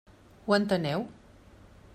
Ho enteneu?